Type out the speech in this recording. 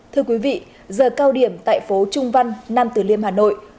thưa quý vị giờ cao điểm tại phố trung văn nam tử liêm hà nội